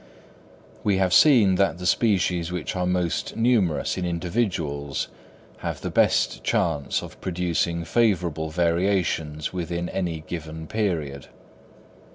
We have seen that the species which are most numerous in individuals have the best chance of producing favourable variations within any given period.